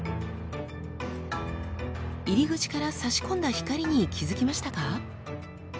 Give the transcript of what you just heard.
入り口からさし込んだ光に気付きましたか？